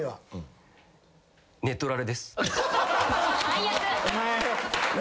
最悪。